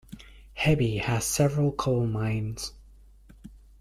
Hebi has several coal mines.